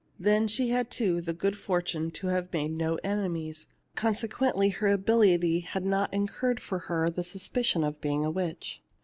Then she had too the good fortune to have made no enemies, consequently her ability had not in curred for her the suspicion of being a witch.